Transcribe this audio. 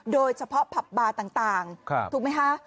โดยเฉพาะผับบาร์ต่างถูกไหมคะ